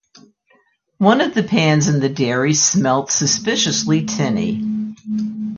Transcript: One of the pans in the dairy smelt suspiciously tinny.